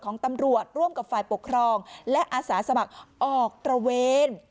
ของตำรวจร่วมกับฝ่ายปกครองและอาสาสมัครออกตระเวน